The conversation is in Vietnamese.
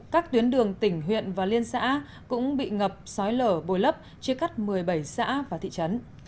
các tuyến đường tỉnh huyện và liên xã cũng bị ngập sói lở bồi lấp chia cắt một mươi bảy xã và thị trấn